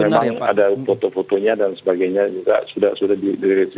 karena memang ada foto fotonya dan sebagainya juga sudah dirilis